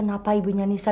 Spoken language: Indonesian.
kenapa ibunya anissa